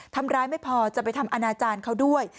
ทำร้ายไม่พอจะไปทำอนาจารย์เขาด้วย